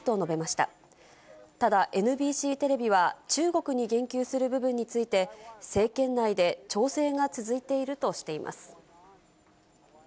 ただ、ＮＢＣテレビは、中国に言及する部分について、政権内で調整が続いているとしています。